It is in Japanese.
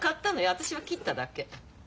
私は切っただけ。